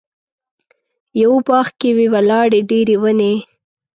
یوه باغ کې وې ولاړې ډېرې ونې.